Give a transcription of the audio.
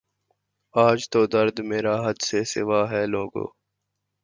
آج تو درد مرا حد سے سوا ہے لوگو